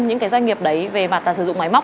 những doanh nghiệp đấy về mặt sử dụng máy móc